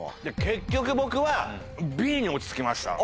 結局僕は。に落ち着きました。